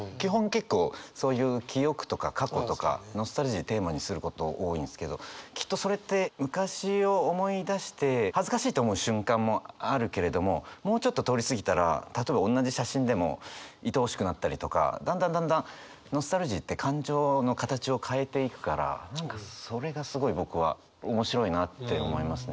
結構そういう記憶とか過去とかノスタルジーテーマにすること多いんですけどきっとそれって昔を思い出して恥ずかしいって思う瞬間もあるけれどももうちょっと通り過ぎたら例えばおんなじ写真でもいとおしくなったりとかだんだんだんだんノスタルジーって感情の形を変えていくから何かそれがすごい僕は面白いなって思いますね。